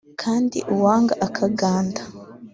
Kandi uwanga akaganda